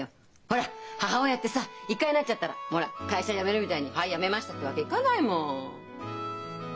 ほら母親ってさ一回なっちゃったらほら会社辞めるみたいに「はい辞めました」ってわけいかないもん。